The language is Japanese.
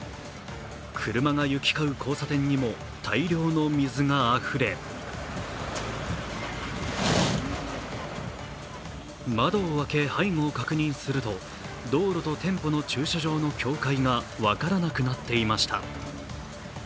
車が行き交う交差点にも大量の水があふれ窓を開け、背後を確認すると道路と店舗の駐車場の境界が分からなくなっていました。